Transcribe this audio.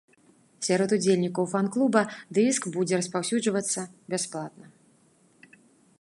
Сярод удзельнікаў фан-клуба дыск будзе распаўсюджвацца бясплатна.